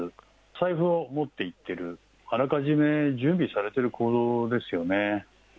財布を持って行ってる、あらかじめ準備されている行動ですよね。